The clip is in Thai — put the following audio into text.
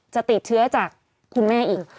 จะติดเชื้อจากคุณแม่อีก